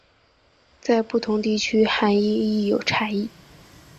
在不同地区涵义亦有差异。